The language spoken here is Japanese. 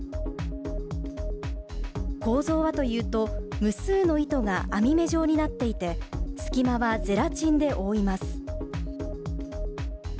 構造はというと、無数の糸が網目状になっていて、隙間はゼラチンで覆います。